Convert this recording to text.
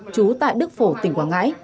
chú tại đức phổ tỉnh quảng ngãi